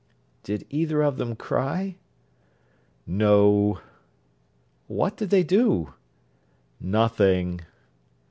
'Did either of them cry?' 'No.' 'What did they do?' 'Nothing.'